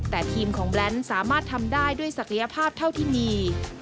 แต่ทีมของแบรนด์สามารถทำได้ด้วยศักยภาพเท่าที่มี